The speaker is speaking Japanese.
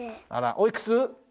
おいくつ？